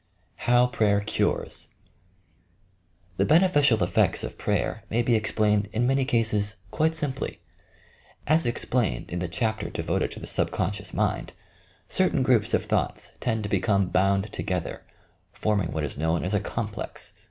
HOW PHATEB CUKES The beneficial effects of prayer may be explained in many cases, quite simply. As explained in the chapter devoted to the Subconscious Mind, certain groups of thoughts tend to become bound together, — forming what is known as a "complex."